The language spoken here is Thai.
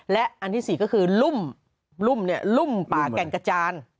และอันที่๔ก็คือรุ่มป่าแก่งกระจาน